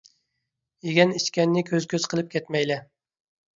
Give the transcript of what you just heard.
يىگەن ئىچكەننى كۆز كۆز قىپ كەتمەيلى ،